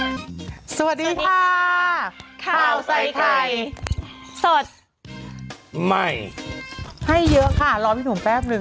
สวัสดีค่ะข้าวใส่ไข่สดใหม่ให้เยอะค่ะรอพี่หนุ่มแป๊บนึง